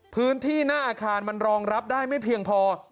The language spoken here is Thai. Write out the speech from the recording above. พื้นที่หน้าอาคารมันรองรับได้ไม่เพียงพอ